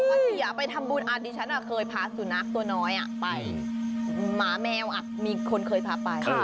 ภรรยาไปทำบุญดิฉันเคยพาสุนัขตัวน้อยไปหมาแมวมีคนเคยพาไป